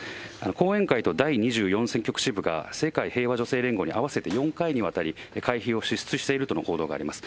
後援会と第２４選挙区支部が世界平和女性連合に合わせて４回にわたり会費を支出しているとの報道があります。